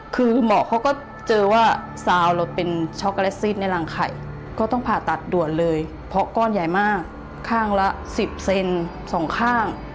คือหมอเขาก็เจอว่าซาวเราเป็นช็อกโกแลตซีดในรังไข่ก็ต้องผ่าตัดด่วนเลยเพราะก้อนใหญ่มากข้างละ๑๐เซนสองข้าง